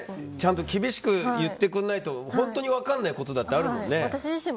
厳しく言ってくれないと本当に分からないことだってあるもんね。